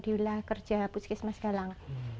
di wilayah kerja puskesmas galang